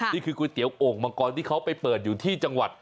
ก๋วยเตี๋ยวโอ่งมังกรที่เขาไปเปิดอยู่ที่จังหวัด